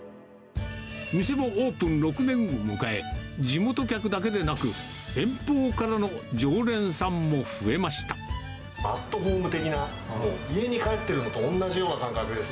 店もオープン６年を迎え、地元客だけでなく、アットホーム的な、家に帰ってるのと同じような感覚です。